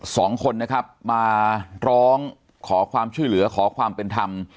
สองคนนะครับมาร้องขอความช่วยเหลือขอความเป็นธรรม